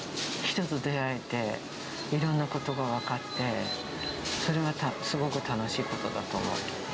人と出会えて、いろんなことが分かって、それはすごく楽しいことだと思う。